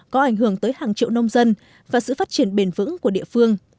có ảnh hưởng tới hàng triệu nông dân và sự phát triển bền vững của địa phương